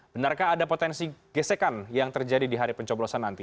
benarkah ada potensi gesekan yang terjadi di hari pencoblosan nanti